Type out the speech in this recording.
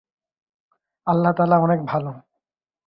যাঁহার হৃদয়-বেদ খুলিয়া গিয়াছে, তাঁহার কোন গ্রন্থের প্রয়োজন হয় না।